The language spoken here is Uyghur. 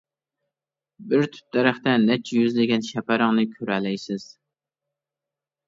بىر تۈپ دەرەختە نەچچە يۈزلىگەن شەپەرەڭنى كۆرەلەيسىز.